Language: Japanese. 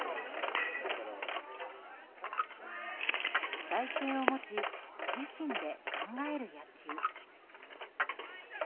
主体性を持ち自身で考える野球。